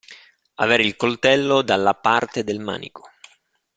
Avere il coltello dalla parte del manico.